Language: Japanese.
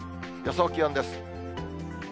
予想気温です。